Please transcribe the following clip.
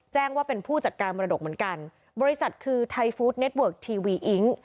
แจ้งว่าเป็นผู้จัดการมรดกเหมือนกันบริษัทคือไทยฟู้ดเน็ตเวิร์กทีวีอิ๊ง